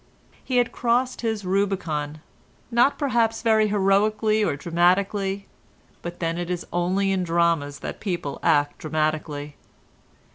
He had crossed his Rubicon—not perhaps very heroically or dramatically, but then it is only in dramas that people act dramatically.